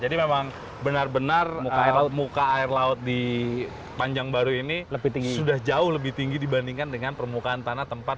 jadi memang benar benar muka air laut di panjang baru ini sudah jauh lebih tinggi dibandingkan dengan permukaan tanah tempat